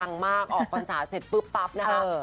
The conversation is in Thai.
ผลังมากออกฟันศาเสร็จปุ๊บปั๊บนะครับ